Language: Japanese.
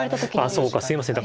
ああそうかすいません。